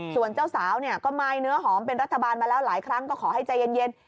ส่วนเจ้าสาวเนี่ยก็มายเนื้อหอมเป็นรัฐบาลมาแล้วหลายครั้งก็ขอให้ใจเย็น